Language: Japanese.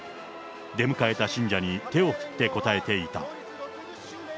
出迎えた信者に手を振って応えていた。